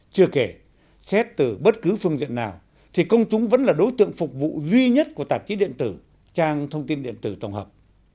chưa kể xét từ bất cứ phương diện nào thì công chúng vẫn là đối tượng phục vụ duy nhất của tạp chí điện tử trang thông tin điện tử tổng hợp